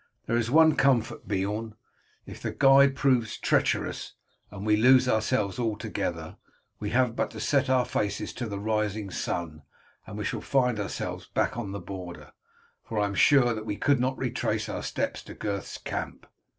There is one comfort, Beorn, if the guide proves treacherous and we lose ourselves altogether, we have but to set our faces to the rising sun and we shall find ourselves back on the border, for I am sure that we could not retrace our steps to Gurth's camp."